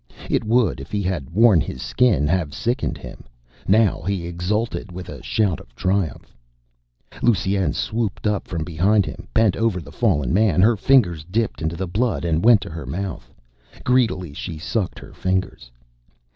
It would, if he had worn his Skin, have sickened him. Now, he exulted with a shout of triumph. Lusine swooped up from behind him, bent over the fallen man. Her fingers dipped into the blood and went to her mouth. Greedily, she sucked her fingers.